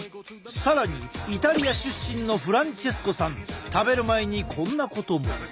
更にイタリア出身のフランチェスコさん食べる前にこんなことも。